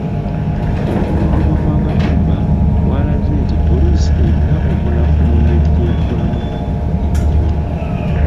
Okulumbibwa kwa Katumba kwalaze nti poliisi erina obunafu mu ngeri gy’ekolamu emirimu.